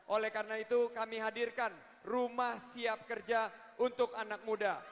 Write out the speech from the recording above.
oleh karena itu kami hadirkan rumah siap kerja untuk anak muda